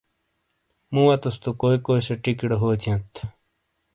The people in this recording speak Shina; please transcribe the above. مو وتوس تو کوئی کوئی سےٹیکیڑے ہو تھیات ؟